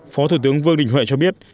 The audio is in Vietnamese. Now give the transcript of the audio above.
phó thủ tướng vương đình huệ cho biết